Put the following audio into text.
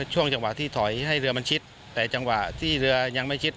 ช่วงจังหวะที่ถอยให้เรือมันชิดแต่จังหวะที่เรือยังไม่ชิด